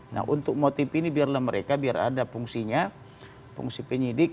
nah untuk motif ini biarlah mereka biar ada fungsinya fungsi penyidik